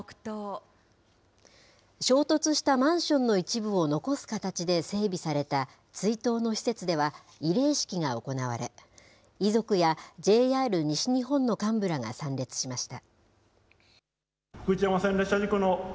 衝突したマンションの一部を残す形で整備された追悼の施設では、慰霊式が行われ、遺族やＪＲ西日本の幹部らが参列しました。